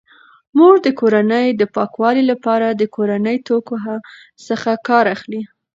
مور د کورنۍ د پاکوالي لپاره د کورني توکو څخه کار اخلي.